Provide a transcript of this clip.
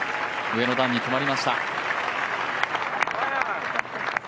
上の段に止まりました。